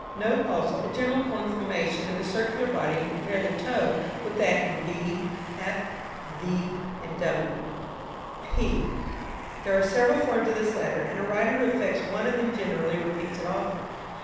Note, also, the general conformation of the circular body and compare the toe with that in b, f, v, and w. p. There are several forms of this letter, and a writer who affects one of them generally repeats it often.